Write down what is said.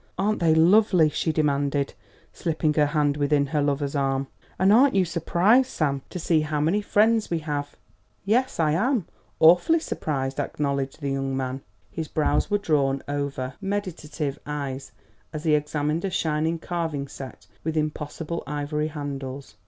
"Aren't they lovely?" she demanded, slipping her hand within her lover's arm; "and aren't you surprised, Sam, to see how many friends we have?" "Yes, I am awfully surprised," acknowledged the young man. His brows were drawn over meditative eyes as he examined a shining carving set with impossible ivory handles.